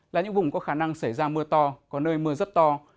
là những vùng có khả năng xảy ra mưa to có nơi mưa rất to